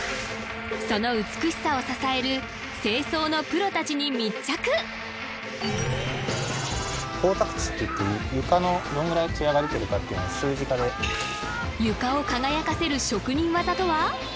その美しさを支える清掃のプロ達に密着床を輝かせる職人技とは？